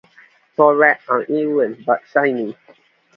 Thorax uneven but shiny.